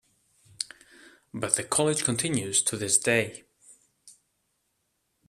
But the College continues to this day.